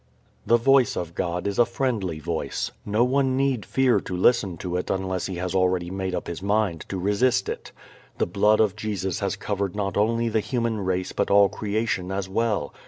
The Voice of God is a friendly Voice. No one need fear to listen to it unless he has already made up his mind to resist it. The blood of Jesus has covered not only the human race but all creation as well.